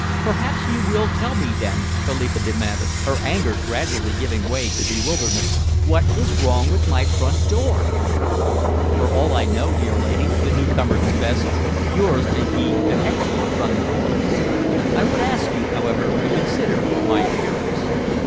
"Perhaps you will tell me, then," Philippa demanded, her anger gradually giving way to bewilderment, "what is wrong with my front door?" "For all I know, dear lady," the newcomer confessed, "yours may be an excellent front door. I would ask you, however, to consider my appearance.